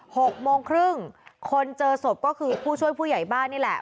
หกโมงครึ่งคนเจอศพก็คือผู้ช่วยผู้ใหญ่บ้านนี่แหละ